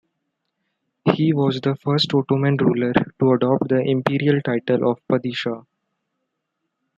He was the first Ottoman ruler to adopt the imperial title of "Padishah".